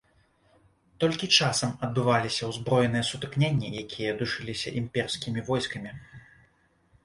Толькі часам адбываліся ўзброеныя сутыкненні, якія душыліся імперскімі войскамі.